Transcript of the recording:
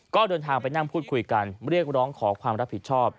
ก็เดินทางไปนั่งพูดคุยกันเรียกร้องขอความรับผิดชอบ